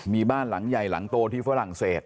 มีบ้านหลังใหญ่หลังโตที่ฝรั่งเศส